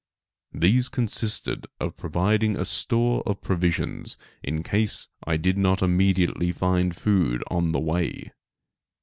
These consisted of providing a store of provisions in case I did not immediately find food on the way.